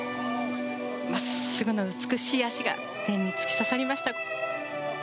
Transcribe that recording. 真っすぐの美しい脚が天に突き刺さりました。